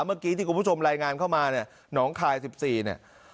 เมื่อกี้ที่คุณผู้ชมรายงานเข้ามาเนี่ยหนองคาย๑๔เนี่ย